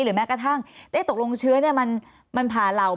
หรือแม้กระทั่งตกลงเชื้อมันผ่าเหล่า